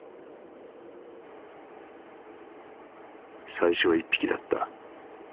「最初は一匹だった。